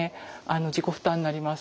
自己負担になります。